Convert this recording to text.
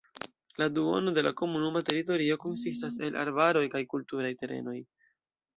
La duono de la komunuma teritorio konsistas el arbaroj kaj kulturaj terenoj.